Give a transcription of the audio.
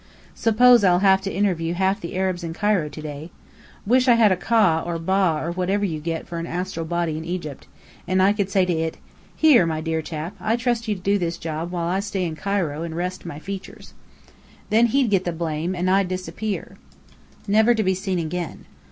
Suppose I'll have to interview half the Arabs in Cairo to day. Wish I had a Ka or Ba or whatever you get for an astral body in Egypt, and I could say to it, "Here, my dear chap, I trust you to do this job while I stay in Cairo and rest my features." Then he'd get the blame, and I'd disappear, never to be seen again.